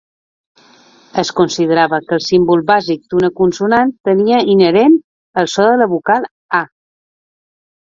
Es considerava que el símbol bàsic d'una consonant tenia inherent el so de la vocal "a".